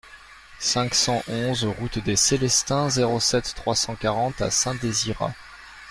cinq cent onze route des Célestins, zéro sept, trois cent quarante à Saint-Désirat